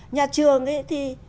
nhà trường ấy thì